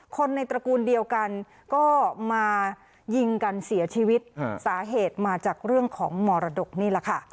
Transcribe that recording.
คนในตระกูลเดียวกันก็มายิงกันเสียชีวิตสาเหตุมาจากเรื่องของมรดกนี่แหละค่ะ